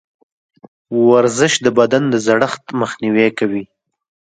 ورزش د بدن د زړښت مخنیوی کوي.